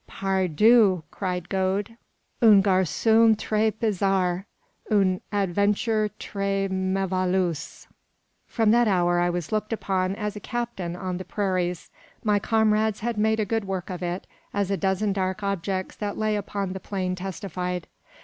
"Par Dieu!" cried Gode, "un garcon tres bizarre: une aventure tres merveilleuse!" From that hour I was looked upon as a "captain" on the prairies. My comrades had made good work of it, as a dozen dark objects that lay upon the plain testified.